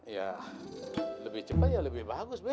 ya lebih cepet ya lebih bagus be